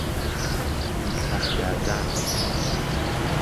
کوته گردن